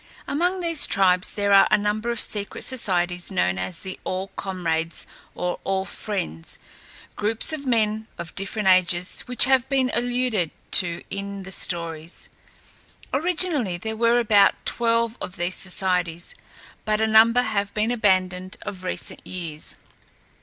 Among these tribes there are a number of secret societies known as the All Comrades or All Friends groups of men of different ages, which have been alluded to in the stories. Originally there were about twelve of these societies, but a number have been abandoned of recent years.